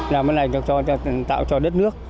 làm cái này tạo cho đất nước